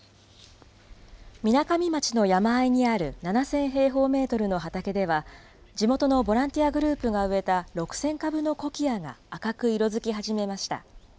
みなかみ町の山あいにある７０００平方メートルの畑では、地元のボランティアグループが植えた６０００株のコキアが赤く色づき始めました。